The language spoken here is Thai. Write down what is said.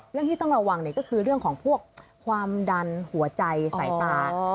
เรื่องที่ต้องระวังก็คือเรื่องของพวกความดันหัวใจสายตา